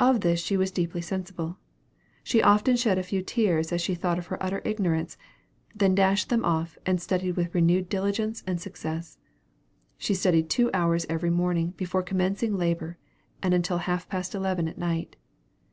Of this she was deeply sensible. She often shed a few tears as she thought of her utter ignorance, then dashed them off, and studied with renewed diligence and success. She studied two hours every morning before commencing labor and until half past eleven at night.